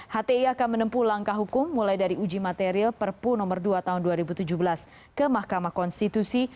hti akan menempuh langkah hukum mulai dari uji materi perpu nomor dua tahun dua ribu tujuh belas ke mahkamah konstitusi